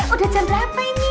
udah jam berapa ini